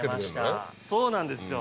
そうなんですよ。